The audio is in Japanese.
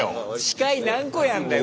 司会何個やんだよ。